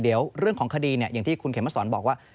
เดี๋ยวเรื่องของคดีที่เหมือนที่คุณเขมศรบอกว่า